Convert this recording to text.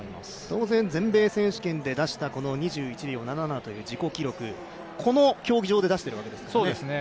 当然、全米選手権で出した２１秒７７という記録この競技場で出しているわけですね。